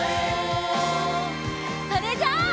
それじゃあ。